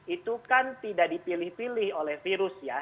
itu kan tidak dipilih pilih oleh virus ya